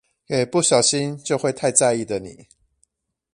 給不小心就會太在意的你